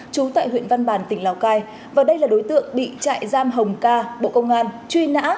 trú tại huyện văn bàn tỉnh lào cai và đây là đối tượng bị trại giam hồng ca bộ công an truy nã